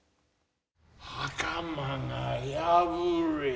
袴が破れる。